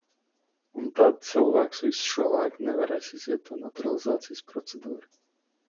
Un tad cilvēks visu šo laiku nevarēs iziet to naturalizācijas procedūru.